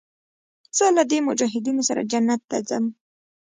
زه له دې مجاهدينو سره جنت ته ځم.